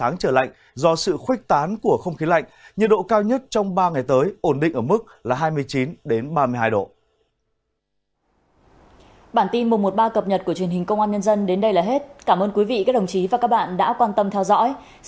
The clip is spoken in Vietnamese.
nhật độ cao nhất trong ba ngày tới ổn định ở mức là hai mươi chín ba mươi hai độ